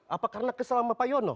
apa karena kesel sama pak yono